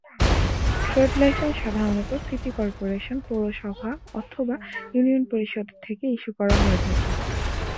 Trade licence সাধারনত city corporation, পৌরসভা অথবা ইউনিয়ন পরিষদ থেকে ইস্যু করা হয়ে থাকে।